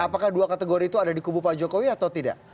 apakah dua kategori itu ada di kubu pak jokowi atau tidak